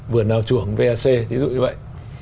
vườn nào chuồng vac ví dụ như vậy